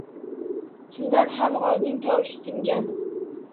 Chindan ham g‘ozning tovushi tingan.